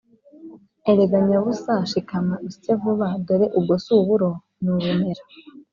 “Erega nyabusa shikama usye vuba, dore ubwo si uburo ni ubumera!”